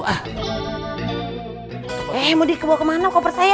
eh mau dibawa kemana koper saya